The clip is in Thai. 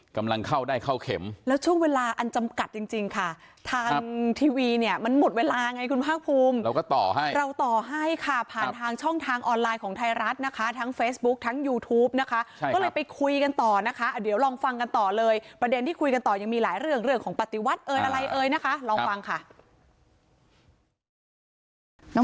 กำลังเข้าได้เข้าเข็มแล้วช่วงเวลาอันจำกัดจริงจริงค่ะทางทีวีเนี่ยมันหมดเวลาไงคุณภาคภูมิเราก็ต่อให้เราต่อให้ค่ะผ่านทางช่องทางออนไลน์ของไทยรัฐนะคะทั้งเฟซบุ๊คทั้งยูทูปนะคะก็เลยไปคุยกันต่อนะคะเดี๋ยวลองฟังกันต่อเลยประเด็นที่คุยกันต่อยังมีหลายเรื่องของปฏิวัติเอยอะไรเอ่ยนะคะลองฟังค่ะ